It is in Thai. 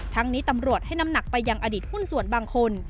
นี้ตำรวจให้น้ำหนักไปยังอดีตหุ้นส่วนบางคน